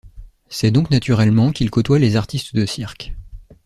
C'est donc naturellement qu'il côtoie les artistes de cirque.